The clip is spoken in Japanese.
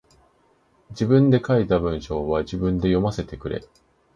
自分で書いた文章は自分で読ませてくれ。